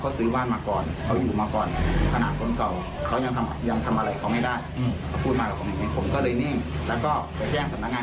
พอบอกจะเข้ามาดูเสร็จแล้วติดต่อมาแล้วก็เงียบไปเลยครับ